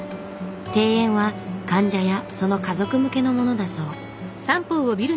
庭園は患者やその家族向けのものだそう。